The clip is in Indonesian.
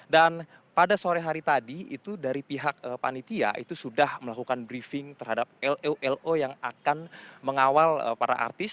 dan pada sore hari tadi itu dari pihak panitia itu sudah melakukan briefing terhadap lulo yang akan mengawal para artis